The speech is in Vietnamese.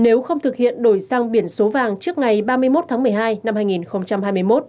nếu không thực hiện đổi sang biển số vàng trước ngày ba mươi một tháng một mươi hai năm hai nghìn hai mươi một